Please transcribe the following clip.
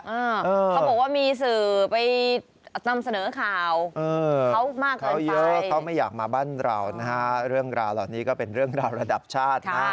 เขาบอกว่ามีสื่อไปนำเสนอข่าวเขามากกว่าเขาเยอะเขาไม่อยากมาบ้านเรานะฮะเรื่องราวเหล่านี้ก็เป็นเรื่องราวระดับชาตินะ